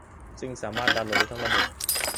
ซึ่งสามารถดาวน์โหลดได้ทั้งระบบ